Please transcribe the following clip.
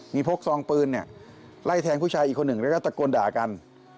มีพกซองปืนเนี่ยไล่แทงผู้ชายอีกคนหนึ่งแล้วก็ตะโกนด่ากัน